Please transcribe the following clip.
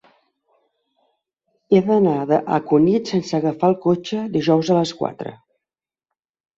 He d'anar a Cunit sense agafar el cotxe dijous a les quatre.